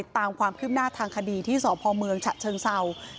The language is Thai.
ตั้งแต่เดือนมิทุนายน